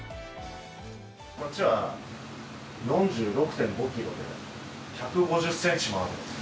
こっちは４６．５ｋｇで１５０ｃｍもある。